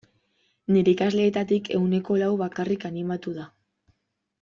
Nire ikasleetatik ehuneko lau bakarrik animatu da.